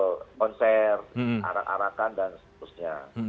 sponsor arakan dan seterusnya